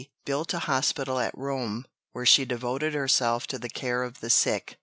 built a hospital at Rome, where she devoted herself to the care of the sick.